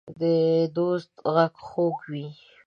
د دوست غږ خوږ وي.